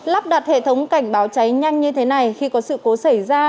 lắp đặt hệ thống cảnh báo cháy nhanh như thế này khi có sự cố xảy ra